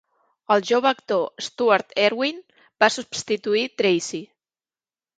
El jove actor Stuart Erwin va substituir Tracy.